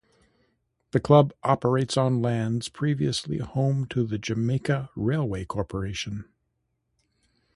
The club operates on lands previously home to the Jamaica Railway Corporation.